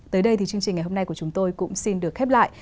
tới đây thì chương trình ngày hôm nay của chúng tôi cũng xin được khép lại